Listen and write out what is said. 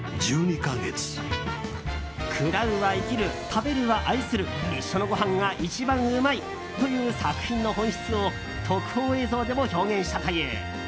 「喰らうは生きる食べるは愛するいっしょのご飯がいちばんうまい」という作品の本質を特報映像でも表現したという。